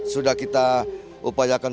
sudah kita upayakan